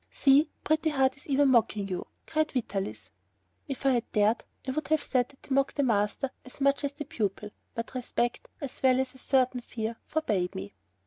"See, Pretty Heart is even mocking you," cried Vitalis. If I had dared, I would have said that he mocked the master just as much as the pupil, but respect, as well as a certain fear, forbade me.